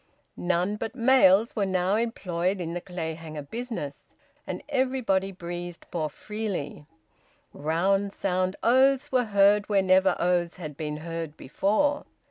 None but males were now employed in the Clayhanger business, and everybody breathed more freely; round, sound oaths were heard where never oaths had been heard before.